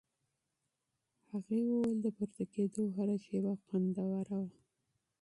هغې وویل د پورته کېدو هره شېبه خوندوره وه.